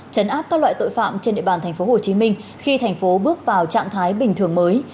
chấn áp các loại tội phạm trên địa bàn tp hcm khi thành phố bước vào trạng thái bình thường mới